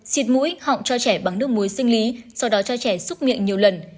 xịt mũi họng cho trẻ bằng nước muối sinh lý sau đó cho trẻ xúc miệng nhiều lần